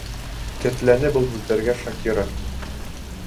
Тертләне был һүҙҙәргә Шакира.